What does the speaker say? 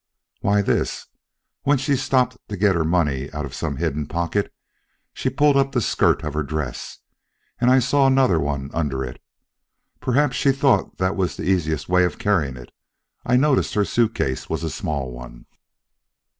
"Why, this: when she stopped to get her money out of some hidden pocket, she pulled up the skirt of her dress, and I saw another one under it. Perhaps she thought that was the easiest way of carrying it. I noticed that her suit case was a small one."